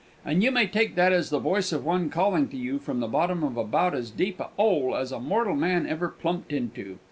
And you may take that as the voice of one calling to you from the bottom of about as deep a 'ole as a mortal man ever plumped into.